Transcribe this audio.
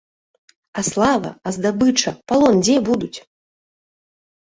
А слава, а здабыча, палон дзе будуць?